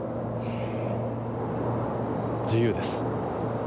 自由です。